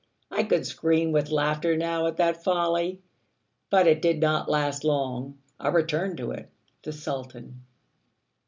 I could scream with laughter now at that folly! But it did not last long. I returned to it the Sultan.